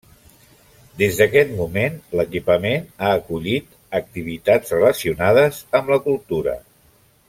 Des d'aquest moment l'equipament ha acollit activitats relacionades amb la cultura.